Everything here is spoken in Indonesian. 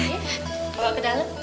kalau ke dalam